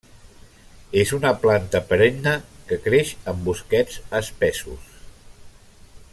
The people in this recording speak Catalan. És una planta perenne que creix en bosquets espessos.